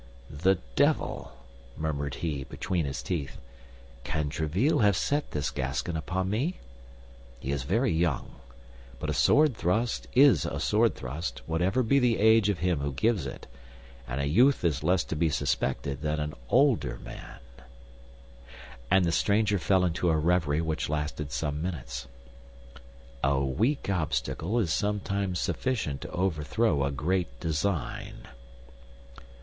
"The devil!" murmured he, between his teeth. "Can Tréville have set this Gascon upon me? He is very young; but a sword thrust is a sword thrust, whatever be the age of him who gives it, and a youth is less to be suspected than an older man," and the stranger fell into a reverie which lasted some minutes. "A weak obstacle is sometimes sufficient to overthrow a great design.